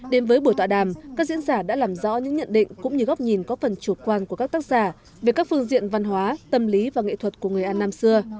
đến với buổi tọa đàm các diễn giả đã làm rõ những nhận định cũng như góc nhìn có phần chủ quan của các tác giả về các phương diện văn hóa tâm lý và nghệ thuật của người an nam xưa